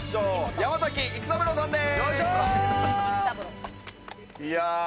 山崎育三郎さんです。